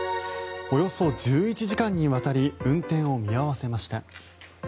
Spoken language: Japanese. およそ１１時間にわたり運転を見合わせました。